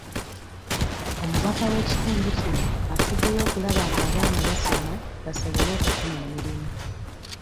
Omubaka w'ekitundu kino afuddeyo okulaba nga abaana basoma basobole okufuna emirimu.